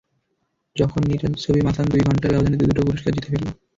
যখন নিরাজের ছবি মাসান দুই ঘণ্টার ব্যবধানে দু-দুটো পুরস্কার জিতে ফেলল।